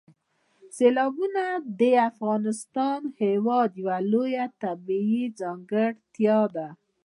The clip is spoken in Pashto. سیلابونه د افغانستان هېواد یوه لویه طبیعي ځانګړتیا ده.